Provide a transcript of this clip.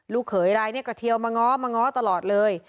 เขยอะไรเนี่ยกระเทียวมาง้อมาง้อตลอดเลย